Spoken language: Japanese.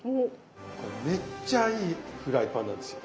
これめっちゃいいフライパンなんですよ。